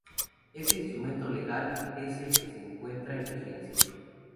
Este instrumento legal es el que se encuentra en vigencia.